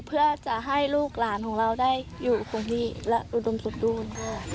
เพื่อจะให้ลูกหลานของเราได้อยู่คนที่และอุดมสมบูรณ์